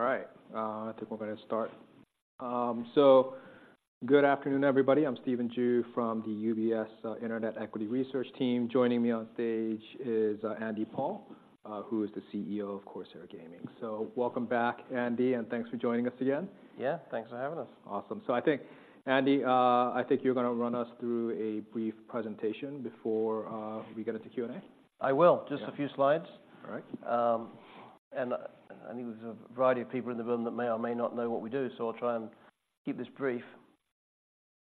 All right, I think we're gonna start. Good afternoon, everybody. I'm Stephen Ju from the UBS Internet Equity Research Team. Joining me on stage is Andy Paul, who is the CEO of Corsair Gaming. Welcome back, Andy, and thanks for joining us again. Yeah, thanks for having us. Awesome. So I think, Andy, I think you're gonna run us through a brief presentation before we get into Q&A. I will. Yeah. Just a few slides. All right. And I think there's a variety of people in the room that may or may not know what we do, so I'll try and keep this brief.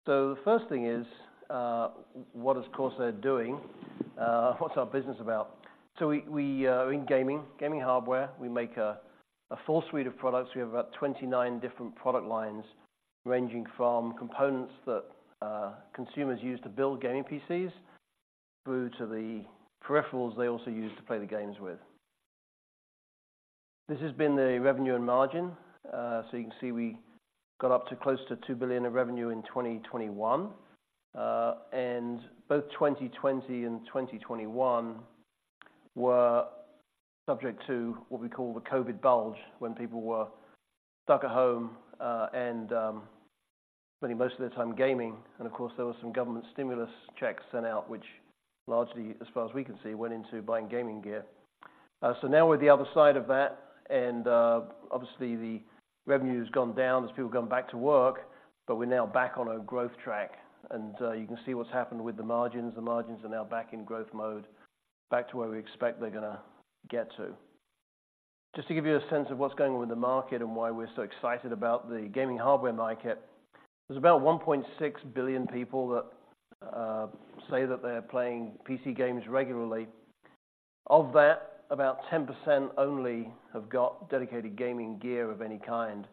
So the first thing is, what is Corsair doing? What's our business about? So we, we, are in gaming, gaming hardware. We make a full suite of products. We have about 29 different product lines, ranging from components that, consumers use to build gaming PCs through to the peripherals they also use to play the games with. This has been the revenue and margin. So you can see we got up to close to $2 billion of revenue in 2021. And both 2020 and 2021 were subject to what we call the COVID bulge, when people were stuck at home, and, spending most of their time gaming. Of course, there were some government stimulus checks sent out, which largely, as far as we can see, went into buying gaming gear. So now we're at the other side of that, and obviously, the revenue's gone down as people have gone back to work, but we're now back on a growth track, and you can see what's happened with the margins. The margins are now back in growth mode, back to where we expect they're gonna get to. Just to give you a sense of what's going on with the market and why we're so excited about the gaming hardware market, there's about 1.6 billion people that say that they're playing PC games regularly. Of that, about 10% only have got dedicated gaming gear of any kind.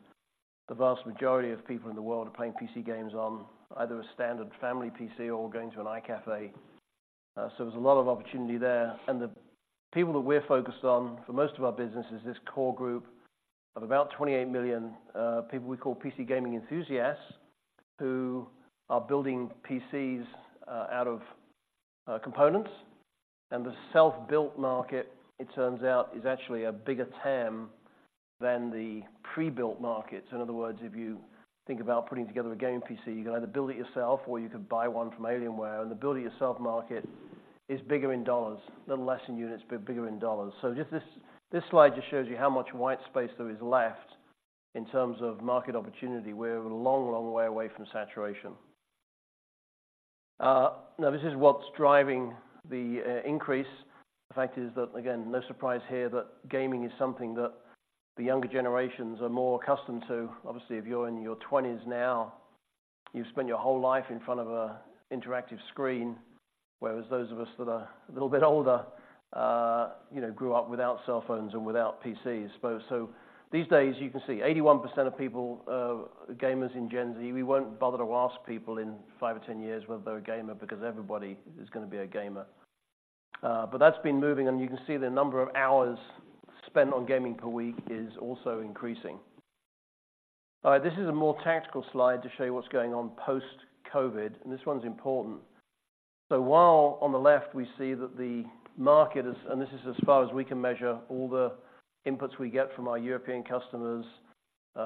The vast majority of people in the world are playing PC games on either a standard family PC or going to an iCafe, so there's a lot of opportunity there. And the people that we're focused on for most of our business is this core group of about 28 million people we call PC gaming enthusiasts, who are building PCs out of components. And the self-built market, it turns out, is actually a bigger TAM than the pre-built market. So in other words, if you think about putting together a gaming PC, you can either build it yourself, or you could buy one from Alienware, and the build it yourself market is bigger in dollars, little less in units, but bigger in dollars. So just this slide just shows you how much white space there is left in terms of market opportunity. We're a long, long way away from saturation. Now, this is what's driving the increase. The fact is that, again, no surprise here, that gaming is something that the younger generations are more accustomed to. Obviously, if you're in your twenties now, you've spent your whole life in front of an interactive screen, whereas those of us that are a little bit older, you know, grew up without cell phones and without PCs. But so these days, you can see 81% of people, gamers in Gen Z, we won't bother to ask people in five or 10 years whether they're a gamer, because everybody is gonna be a gamer. But that's been moving, and you can see the number of hours spent on gaming per week is also increasing. This is a more tactical slide to show you what's going on post-COVID, and this one's important. So while on the left, we see that the market is... This is as far as we can measure all the inputs we get from our European customers,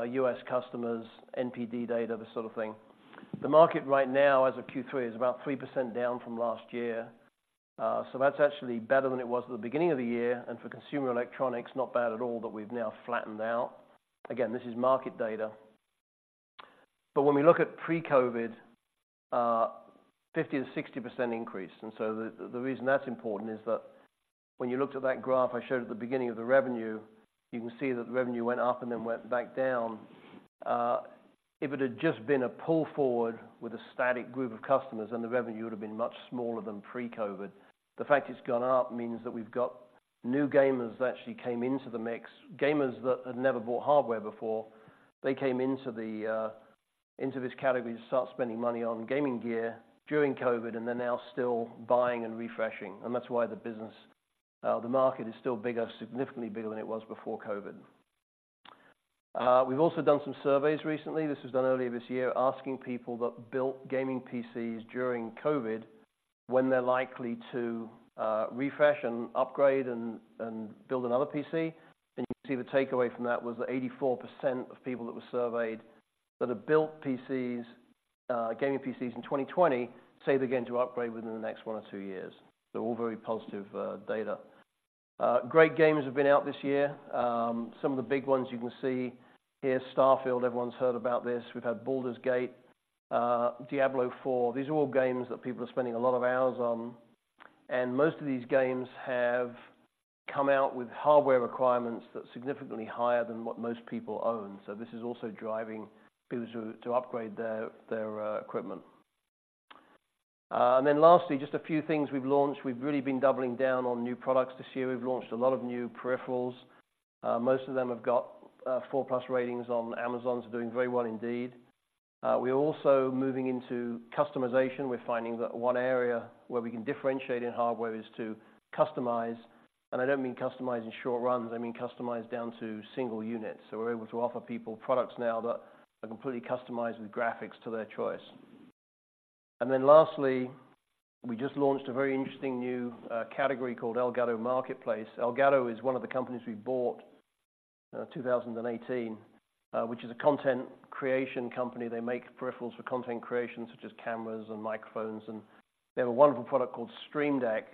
U.S. customers, NPD data, this sort of thing. The market right now, as of Q3, is about 3% down from last year. So that's actually better than it was at the beginning of the year, and for consumer electronics, not bad at all, but we've now flattened out. Again, this is market data. But when we look at pre-COVID, 50%-60% increase, and so the reason that's important is that when you looked at that graph I showed at the beginning of the revenue, you can see that the revenue went up and then went back down. If it had just been a pull forward with a static group of customers, then the revenue would have been much smaller than pre-COVID. The fact it's gone up means that we've got new gamers that actually came into the mix, gamers that had never bought hardware before. They came into this category to start spending money on gaming gear during COVID, and they're now still buying and refreshing, and that's why the business, the market is still bigger, significantly bigger than it was before COVID. We've also done some surveys recently, this was done earlier this year, asking people that built gaming PCs during COVID when they're likely to refresh and upgrade and build another PC. You can see the takeaway from that was that 84% of people that were surveyed that have built PCs, gaming PCs in 2020, say they're going to upgrade within the next one or two years. All very positive data. Great games have been out this year. Some of the big ones you can see here, Starfield, everyone's heard about this. We've had Baldur's Gate, Diablo IV. These are all games that people are spending a lot of hours on, and most of these games have come out with hardware requirements that are significantly higher than what most people own. So this is also driving people to upgrade their equipment. And then lastly, just a few things we've launched. We've really been doubling down on new products this year. We've launched a lot of new peripherals. Most of them have got 4+ ratings on Amazon, so doing very well indeed. We're also moving into customization. We're finding that one area where we can differentiate in hardware is to customize, and I don't mean customize in short runs, I mean customize down to single units. So we're able to offer people products now that are completely customized with graphics to their choice... And then lastly, we just launched a very interesting new category called Elgato Marketplace. Elgato is one of the companies we bought in 2018, which is a content creation company. They make peripherals for content creation, such as cameras and microphones, and they have a wonderful product called Stream Deck,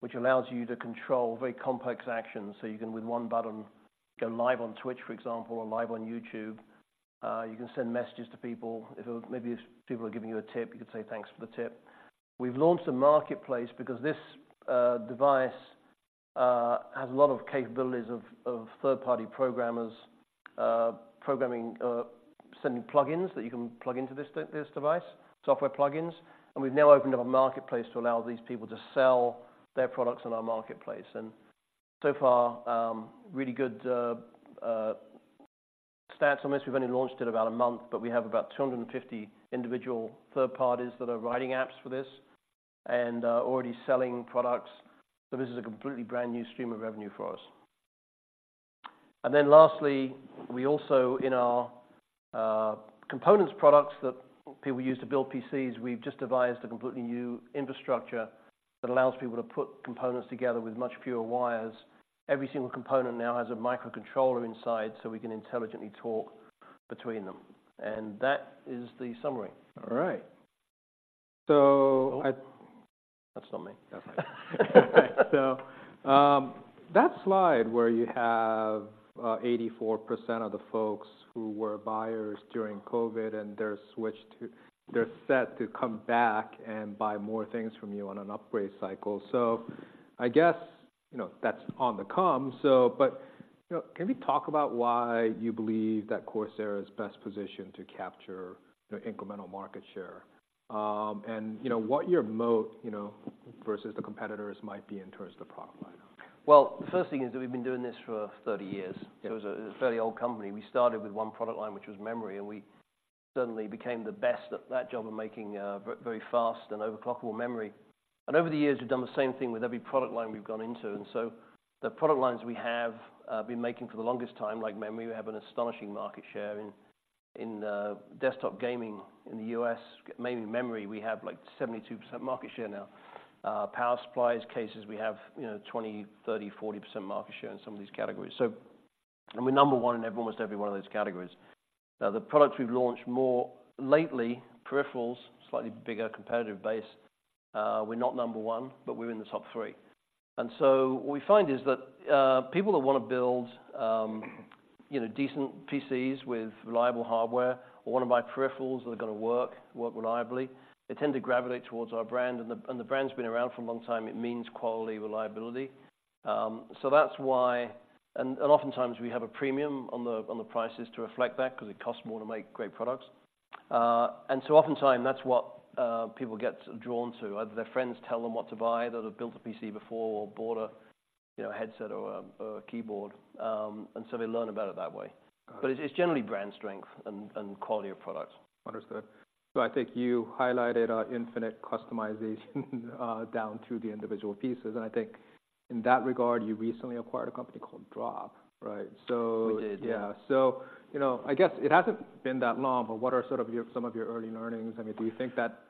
which allows you to control very complex actions. So you can, with one button, go live on Twitch, for example, or live on YouTube. You can send messages to people. If maybe if people are giving you a tip, you could say, "Thanks for the tip." We've launched a marketplace because this device has a lot of capabilities of third-party programmers programming sending plugins that you can plug into this device, software plugins, and we've now opened up a marketplace to allow these people to sell their products on our marketplace. And so far, really good stats on this. We've only launched it about a month, but we have about 250 individual third parties that are writing apps for this and already selling products. So this is a completely brand-new stream of revenue for us. And then lastly, we also, in our components products that people use to build PCs, we've just devised a completely new infrastructure that allows people to put components together with much fewer wires. Every single component now has a microcontroller inside, so we can intelligently talk between them. And that is the summary. All right. So I- Oh, that's not me. Okay. So, that slide where you have 84% of the folks who were buyers during COVID, and they're switched to... They're set to come back and buy more things from you on an upgrade cycle. So I guess, you know, that's on the come. So but, you know, can we talk about why you believe that Corsair is best positioned to capture the incremental market share? And you know, what your moat, you know, versus the competitors might be in terms of the product line? Well, the first thing is that we've been doing this for 30 years. Yeah. So it's a fairly old company. We started with one product line, which was memory, and we suddenly became the best at that job of making very fast and overclockable memory. And over the years, we've done the same thing with every product line we've gone into. And so the product lines we have been making for the longest time, like memory, we have an astonishing market share in desktop gaming in the U.S. Mainly memory, we have, like, 72% market share now. Power supplies, cases, we have, you know, 20, 30, 40% market share in some of these categories. So... And we're number one in almost every one of those categories. Now, the products we've launched more lately, peripherals, slightly bigger competitive base, we're not number one, but we're in the top three. And so what we find is that, people that wanna build, you know, decent PCs with reliable hardware or wanna buy peripherals that are gonna work, work reliably, they tend to gravitate towards our brand, and the brand's been around for a long time. It means quality, reliability. So that's why... And oftentimes we have a premium on the prices to reflect that, 'cause it costs more to make great products. And so oftentimes, that's what people get drawn to. Either their friends tell them what to buy, that have built a PC before or bought a, you know, headset or a keyboard, and so they learn about it that way. Got it. But it's generally brand strength and quality of products. Understood. So I think you highlighted infinite customization down to the individual pieces, and I think in that regard, you recently acquired a company called Drop, right? So- We did, yeah. Yeah. So, you know, I guess it hasn't been that long, but what are sort of your, some of your early learnings? I mean, do you think that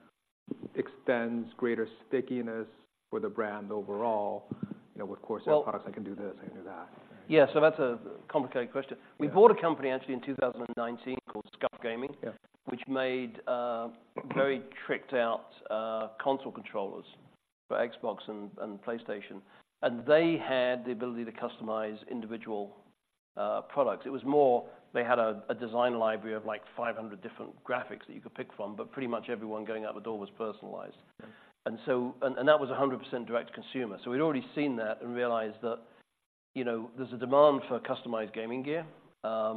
extends greater stickiness for the brand overall? You know, with Corsair products- Well- -I can do this, I can do that. Yeah, so that's a complicated question. Yeah. We bought a company actually in 2019 called SCUF Gaming- Yeah... which made very tricked out console controllers for Xbox and PlayStation, and they had the ability to customize individual products. It was more, they had a design library of, like, 500 different graphics that you could pick from, but pretty much everyone going out the door was personalized. Yeah. That was 100% direct to consumer. So we'd already seen that and realized that, you know, there's a demand for customized gaming gear,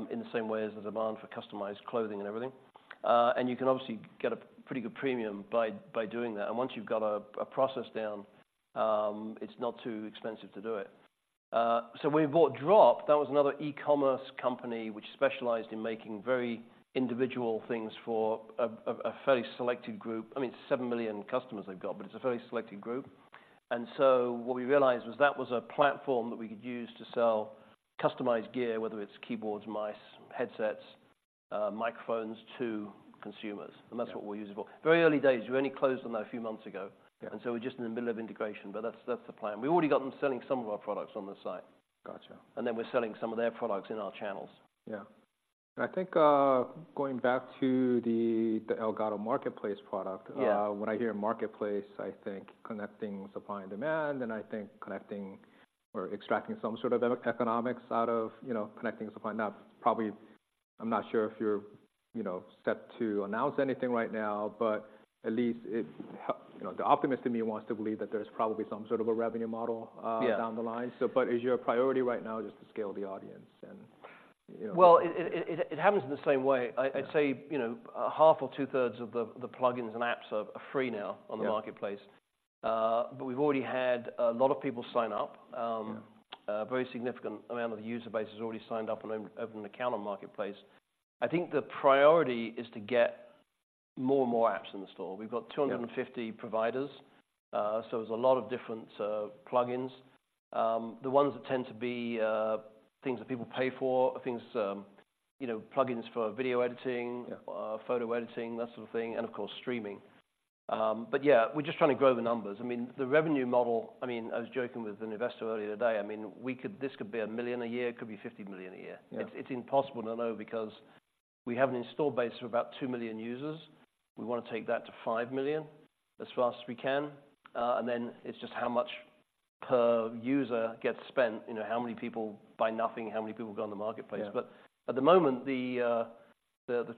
in the same way as a demand for customized clothing and everything. And you can obviously get a pretty good premium by doing that, and once you've got a process down, it's not too expensive to do it. So when we bought Drop, that was another e-commerce company, which specialized in making very individual things for a fairly selected group. I mean, 7 million customers they've got, but it's a very selected group. And so what we realized was that was a platform that we could use to sell customized gear, whether it's keyboards, mice, headsets, microphones, to consumers. Yeah. That's what we'll use it for. Very early days, we only closed on that a few months ago. Yeah. So we're just in the middle of integration, but that's, that's the plan. We've already got them selling some of our products on the site. Gotcha. And then we're selling some of their products in our channels. Yeah. I think, going back to the Elgato marketplace product- Yeah when I hear marketplace, I think connecting supply and demand, and I think connecting or extracting some sort of economics out of, you know, connecting supply. Now, probably, I'm not sure if you're, you know, set to announce anything right now, but at least it, you know, the optimist in me wants to believe that there's probably some sort of a revenue model. Yeah... down the line. But is your priority right now just to scale the audience and, you know- Well, it happens in the same way. Yeah. I'd say, you know, half or two-thirds of the plugins and apps are free now. Yeah... on the marketplace. But we've already had a lot of people sign up. Yeah... a very significant amount of the user base has already signed up and opened an account on Marketplace. I think the priority is to get more and more apps in the store. Yeah. We've got 250 providers, so there's a lot of different plugins. The ones that tend to be things that people pay for are things, you know, plugins for video editing- Yeah. photo editing, that sort of thing, and of course, streaming. But yeah, we're just trying to grow the numbers. I mean, the revenue model, I mean, I was joking with an investor earlier today, I mean, we could, this could be $1 million a year, it could be $50 million a year. Yeah. It's impossible to know because we have an installed base of about 2 million users. We want to take that to 5 million as fast as we can, and then it's just how much per user gets spent, you know, how many people buy nothing, how many people go on the marketplace? Yeah. But at the moment, the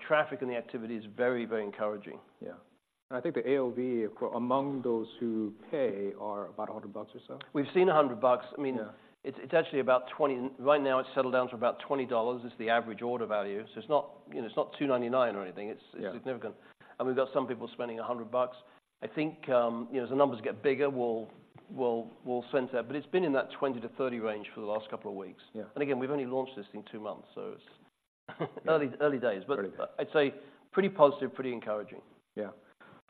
traffic and the activity is very, very encouraging. Yeah. And I think the AOV, among those who pay, are about $100 or so? We've seen $100. Yeah. I mean, it's, it's actually about $20, right now, it's settled down to about $20. It's the average order value. So it's not, you know, it's not $2.99 or anything. Yeah. It's significant, and we've got some people spending $100. I think, you know, as the numbers get bigger, we'll center it. But it's been in that $20-$30 range for the last couple of weeks. Yeah. And again, we've only launched this in two months, so early, early days. Early days. I'd say pretty positive, pretty encouraging. Yeah.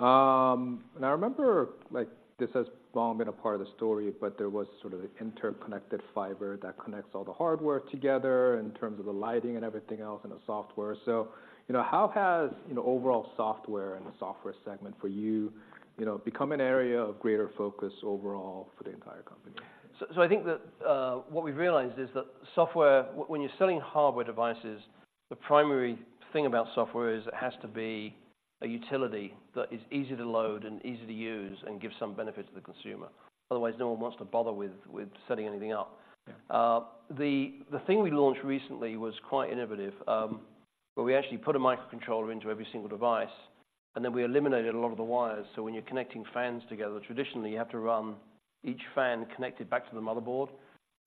And I remember, like, this has long been a part of the story, but there was sort of an interconnected fiber that connects all the hardware together in terms of the lighting and everything else, and the software. So, you know, how has, you know, overall software and the software segment for you, you know, become an area of greater focus overall for the entire company? So, I think that what we've realized is that software when you're selling hardware devices, the primary thing about software is it has to be a utility that is easy to load and easy to use and give some benefit to the consumer. Otherwise, no one wants to bother with setting anything up. Yeah. The thing we launched recently was quite innovative, where we actually put a microcontroller into every single device, and then we eliminated a lot of the wires. So when you're connecting fans together, traditionally, you have to run each fan connected back to the motherboard.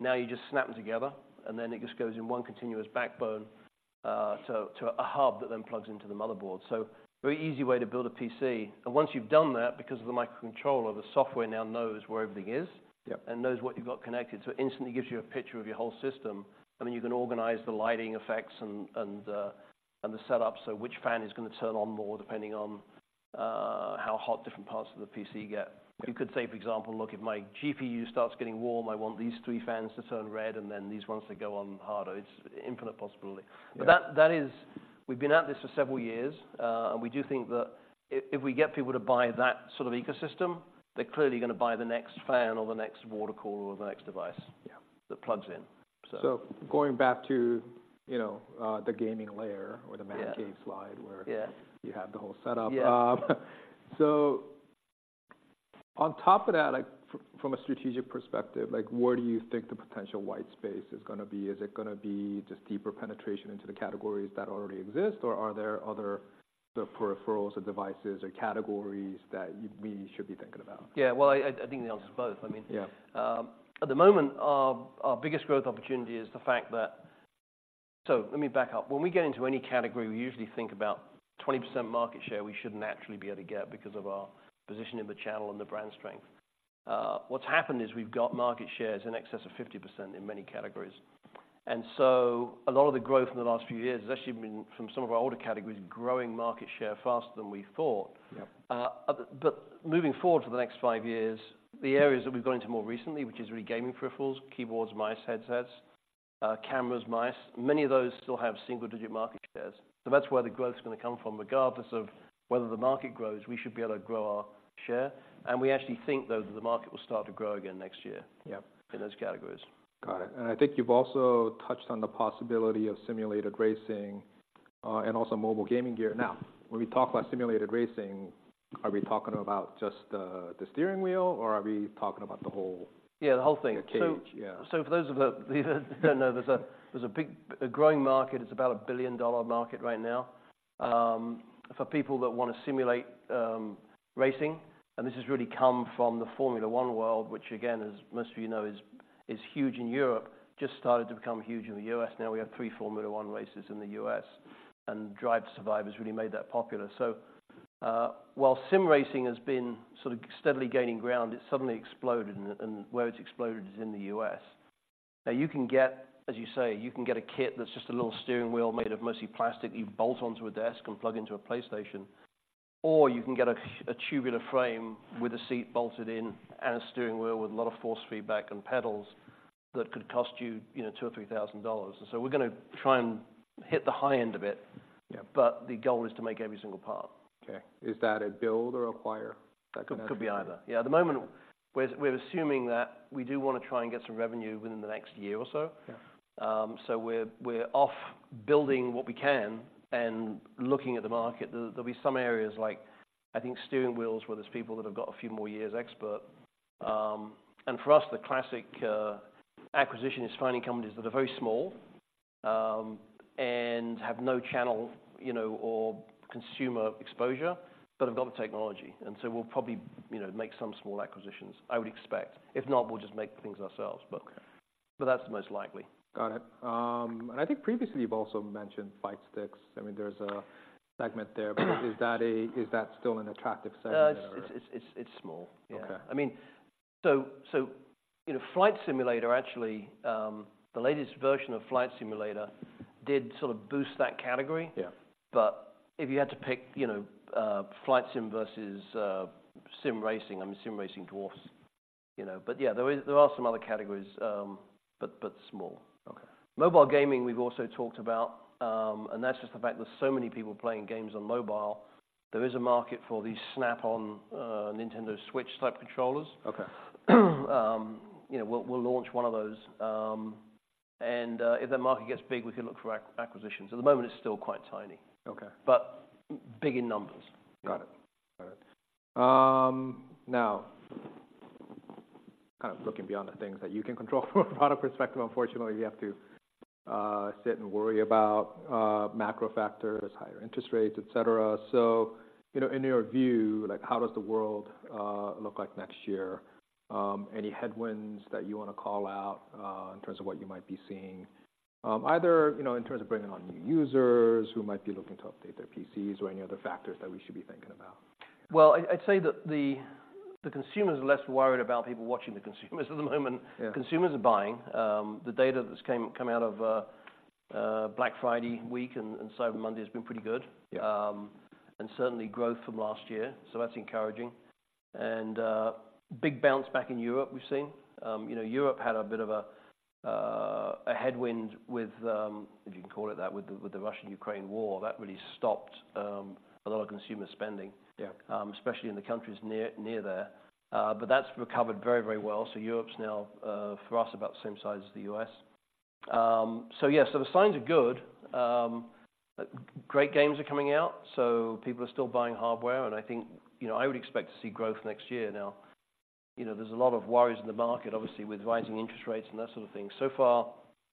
Now you just snap them together, and then it just goes in one continuous backbone, so to a hub that then plugs into the motherboard. Very easy way to build a PC. Once you've done that, because of the microcontroller, the software now knows where everything is- Yep... and knows what you've got connected, so it instantly gives you a picture of your whole system. I mean, you can organize the lighting effects and the setup, so which fan is going to turn on more, depending on how hot different parts of the PC get. Yeah. You could say, for example, "Look, if my GPU starts getting warm, I want these three fans to turn red and then these ones to go on harder." It's infinite possibility. Yeah. But that is... We've been at this for several years, and we do think that if we get people to buy that sort of ecosystem, they're clearly going to buy the next fan or the next water cooler or the next device- Yeah that plugs in, so. Going back to, you know, the gaming layer or the- Yeah man cave slide, where Yeah You have the whole setup. Yeah. So on top of that, like, from a strategic perspective, like, where do you think the potential white space is gonna be? Is it gonna be just deeper penetration into the categories that already exist, or are there other sort of peripherals or devices or categories that we should be thinking about? Yeah. Well, I think the answer is both. I mean- Yeah... at the moment, our biggest growth opportunity is the fact that... So let me back up. When we get into any category, we usually think about 20% market share we should naturally be able to get because of our position in the channel and the brand strength. What's happened is we've got market shares in excess of 50% in many categories, and so a lot of the growth in the last few years has actually been from some of our older categories growing market share faster than we thought. Yep. But moving forward to the next five years, the areas that we've gone into more recently, which is really gaming peripherals, keyboards, mice, headsets, cameras, mice, many of those still have single-digit market shares. So that's where the growth is gonna come from, regardless of whether the market grows, we should be able to grow our share, and we actually think, though, that the market will start to grow again next year- Yeah in those categories. Got it. And I think you've also touched on the possibility of simulated racing, and also mobile gaming gear. Now, when we talk about simulated racing, are we talking about just the steering wheel, or are we talking about the whole- Yeah, the whole thing. The cage, yeah. So, for those of us that don't know, there's a big, growing market. It's about a billion-dollar market right now, for people that want to simulate racing, and this has really come from the Formula One world, which again, as most of you know, is huge in Europe, just started to become huge in the U.S. Now we have three Formula One races in the U.S., and Drive to Survive has really made that popular. So, while Sim Racing has been sort of steadily gaining ground, it suddenly exploded, and where it's exploded is in the U.S. Now, you can get, as you say, you can get a kit that's just a little steering wheel made of mostly plastic. You bolt onto a desk and plug into a PlayStation, or you can get a tubular frame with a seat bolted in and a steering wheel with a lot of force feedback and pedals that could cost you, you know, $2,000-3,000. And so we're gonna try and hit the high end of it. Yeah. The goal is to make every single part. Okay. Is that a build or acquire? That could be either. Yeah, at the moment, we're assuming that we do want to try and get some revenue within the next year or so. Yeah. So we're off building what we can and looking at the market. There'll be some areas like, I think, steering wheels, where there's people that have got a few more years expert. And for us, the classic acquisition is finding companies that are very small and have no channel, you know, or consumer exposure, but have got the technology. And so we'll probably, you know, make some small acquisitions, I would expect. If not, we'll just make the things ourselves, but- Okay... but that's the most likely. Got it. And I think previously you've also mentioned fight sticks. I mean, there's a segment there - but is that still an attractive segment or? It's small. Yeah. Okay. I mean, so, in a Flight Simulator, actually, the latest version of Flight Simulator did sort of boost that category. Yeah. But if you had to pick, you know, Flight Sim versus sim racing, I mean, sim racing dwarfs... you know, but yeah, there is—there are some other categories, but, but small. Okay. Mobile gaming, we've also talked about, and that's just the fact that so many people playing games on mobile, there is a market for these snap-on, Nintendo Switch-type controllers. Okay. You know, we'll launch one of those, and if that market gets big, we can look for acquisitions. At the moment, it's still quite tiny. Okay. But big in numbers. Got it. Got it. Now, kind of looking beyond the things that you can control from a product perspective, unfortunately, you have to sit and worry about macro factors, higher interest rates, et cetera. So, you know, in your view, like, how does the world look like next year? Any headwinds that you wanna call out in terms of what you might be seeing? Either, you know, in terms of bringing on new users who might be looking to update their PCs or any other factors that we should be thinking about. Well, I'd say that the consumers are less worried about people watching the consumers at the moment. Yeah. Consumers are buying. The data that's come out of Black Friday week and Cyber Monday has been pretty good. Yeah. Certainly growth from last year, so that's encouraging. Big bounce back in Europe, we've seen. You know, Europe had a bit of a headwind, if you can call it that, with the Russia-Ukraine war. That really stopped a lot of consumer spending- Yeah... especially in the countries near there. But that's recovered very, very well, so Europe's now, for us, about the same size as the U.S. So yeah, so the signs are good. Great games are coming out, so people are still buying hardware, and I think, you know, I would expect to see growth next year now. You know, there's a lot of worries in the market, obviously, with rising interest rates and that sort of thing. So far,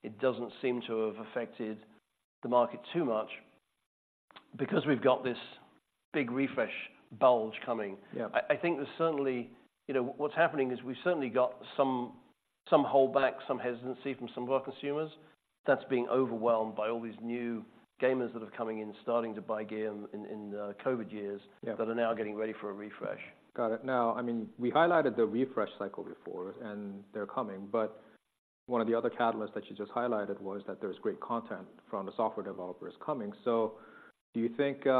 it doesn't seem to have affected the market too much because we've got this big refresh bulge coming. Yeah. I think there's certainly... You know, what's happening is we've certainly got some holdback, some hesitancy from some of our consumers that's being overwhelmed by all these new gamers that are coming in, starting to buy gear in the COVID years- Yeah... that are now getting ready for a refresh. Got it. Now, I mean, we highlighted the refresh cycle before, and they're coming, but one of the other catalysts that you just highlighted was that there's great content from the software developers coming. So do you think, you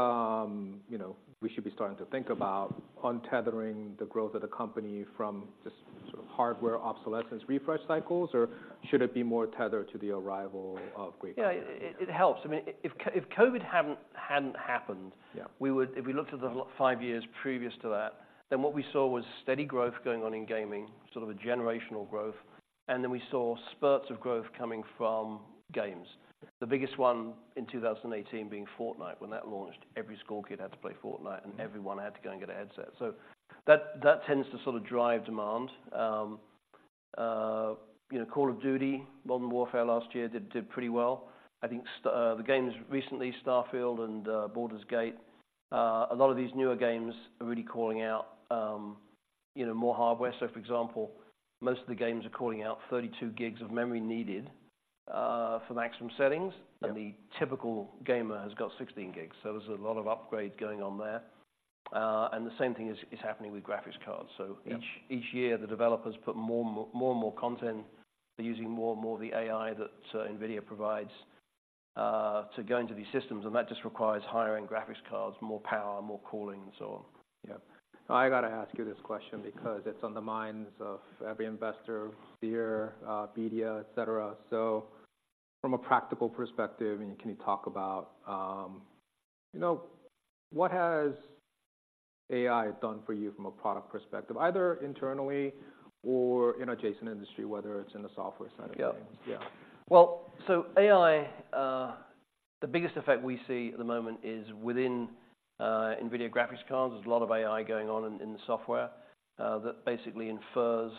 know, we should be starting to think about untethering the growth of the company from just sort of hardware obsolescence refresh cycles, or should it be more tethered to the arrival of great content? Yeah, it helps. I mean, if COVID hadn't happened- Yeah... If we looked at the five years previous to that, then what we saw was steady growth going on in gaming, sort of a generational growth, and then we saw spurts of growth coming from games. The biggest one in 2018 being Fortnite. When that launched, every school kid had to play Fortnite, and everyone had to go and get a headset. So that tends to sort of drive demand. You know, Call of Duty: Modern Warfare last year did pretty well. I think the games recently, Starfield and Baldur's Gate, a lot of these newer games are really calling out, you know, more hardware. So for example, most of the games are calling out 32 gigs of memory needed for maximum settings. Yeah. The typical gamer has got 16 gigs, so there's a lot of upgrade going on there. And the same thing is happening with graphics cards. Yeah. So each year, the developers put more and more, more and more content. They're using more and more of the AI that NVIDIA provides to go into these systems, and that just requires higher-end graphics cards, more power, more cooling, and so on. Yeah. I gotta ask you this question because it's on the minds of every investor, peer, Media, et cetera. So from a practical perspective, and can you talk about, you know, what has AI done for you from a product perspective, either internally or in adjacent industry, whether it's in the software side of things? Yeah. Yeah. Well, so AI, the biggest effect we see at the moment is within, NVIDIA graphics cards. There's a lot of AI going on in, in the software, that basically infers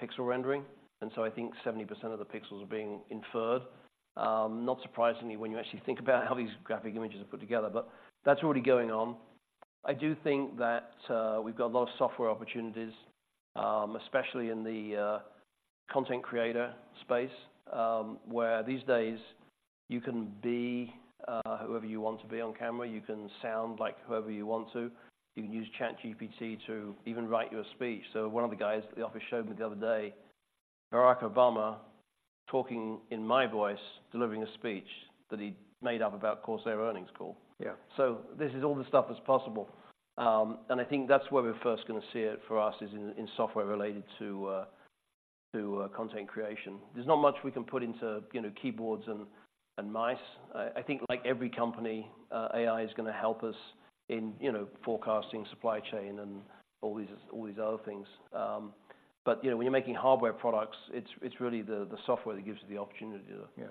pixel rendering, and so I think 70% of the pixels are being inferred. Not surprisingly, when you actually think about how these graphic images are put together, but that's already going on. I do think that, we've got a lot of software opportunities, especially in the, content creator space, where these days, you can be, whoever you want to be on camera. You can sound like whoever you want to. You can use ChatGPT to even write you a speech. So one of the guys at the office showed me the other day, Barack Obama talking in my voice, delivering a speech that he made up about Corsair earnings call. Yeah. So this is all the stuff that's possible. And I think that's where we're first gonna see it for us, is in software related to content creation. There's not much we can put into, you know, keyboards and mice. I think like every company, AI is gonna help us in, you know, forecasting supply chain and all these other things. But, you know, when you're making hardware products, it's really the software that gives you the opportunity to. Yeah.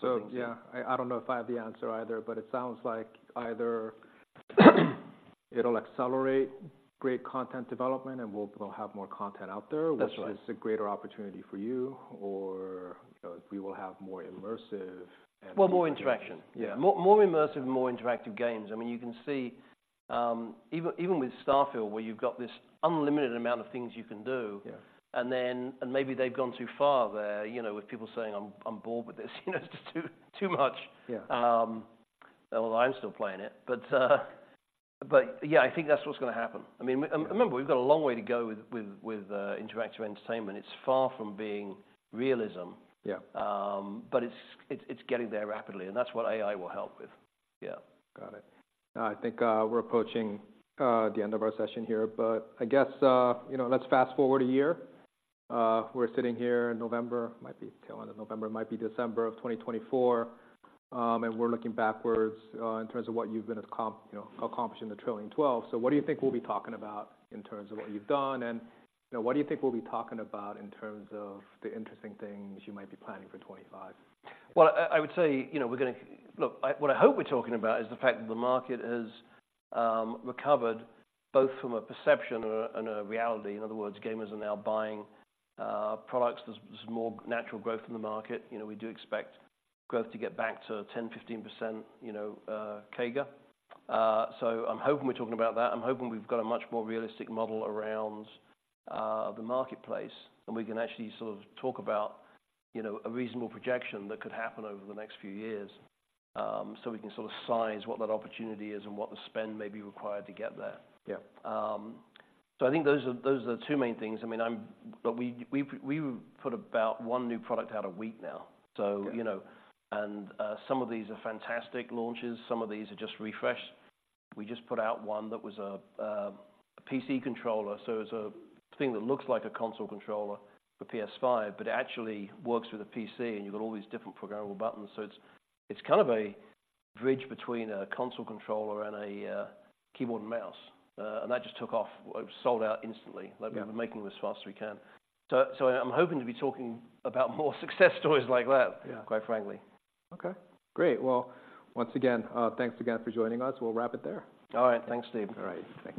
So yeah. I don't know if I have the answer either, but it sounds like either it'll accelerate great content development, and we'll have more content out there- That's right... which is a greater opportunity for you, or, we will have more immersive and- Well, more interaction. Yeah. More, more immersive and more interactive games. I mean, you can see, even, even with Starfield, where you've got this unlimited amount of things you can do- Yeah... and then, and maybe they've gone too far there, you know, with people saying, "I'm, I'm bored with this." You know, "It's just too, too much. Yeah. Although I'm still playing it, but yeah, I think that's what's gonna happen. Yeah. I mean, remember, we've got a long way to go with interactive entertainment. It's far from being realism. Yeah. But it's getting there rapidly, and that's what AI will help with. Yeah. Got it. I think we're approaching the end of our session here, but I guess, you know, let's fast-forward a year. We're sitting here in November, might be tail end of November, might be December of 2024, and we're looking backwards in terms of what you've been, you know, accomplished in the trailing twelve. So what do you think we'll be talking about in terms of what you've done, and, you know, what do you think we'll be talking about in terms of the interesting things you might be planning for 2025? Well, I would say, you know, we're gonna... Look, what I hope we're talking about is the fact that the market has recovered both from a perception and a reality. In other words, gamers are now buying products. There's more natural growth in the market. You know, we do expect growth to get back to 10-15%, you know, CAGR. So I'm hoping we're talking about that. I'm hoping we've got a much more realistic model around the marketplace, and we can actually sort of talk about, you know, a reasonable projection that could happen over the next few years. So we can sort of size what that opportunity is and what the spend may be required to get there. Yeah. So I think those are the two main things. I mean, but we've put about one new product out a week now. Okay. So, you know, some of these are fantastic launches, some of these are just refresh. We just put out one that was a PC controller, so it's a thing that looks like a console controller for PS5, but it actually works with a PC, and you've got all these different programmable buttons. So it's, it's kind of a bridge between a console controller and a keyboard and mouse. And that just took off. It sold out instantly. Yeah. Like, we've been making them as fast as we can. So, so I'm hoping to be talking about more success stories like that- Yeah... quite frankly. Okay, great. Well, once again, thanks again for joining us. We'll wrap it there. All right. Thanks, Steve. All right. Thank you.